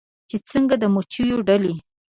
چې څنګه د مچېو ډلې